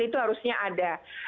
itu harusnya ada